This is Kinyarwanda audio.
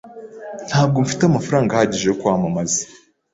Ntabwo mfite amafaranga ahagije yo kwamamaza.